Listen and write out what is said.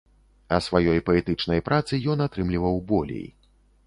А сваёй паэтычнай працы ён атрымліваў болей.